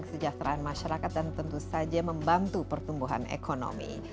kesejahteraan masyarakat dan tentu saja membantu pertumbuhan ekonomi